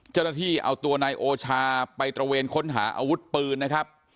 เจ้าหน้าที่เอาตัวนายโอชาไปตระเวนค้นหาอาวุธปืนนะครับ